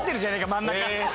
真ん中。